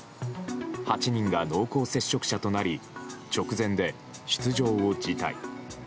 ８人が濃厚接触者となり直前で出場を辞退。